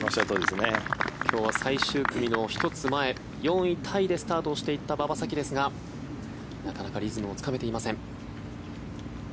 今日は最終組の１つ前４位タイでスタートした馬場咲希ですがなかなかリズムをつかめていません。